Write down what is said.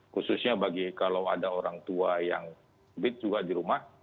khususnya bagi kalau ada orang tua yang bibit juga di rumah